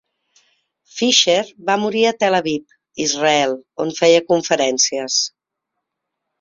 Fisher va morir a Tel Aviv, Israel, on feia conferències.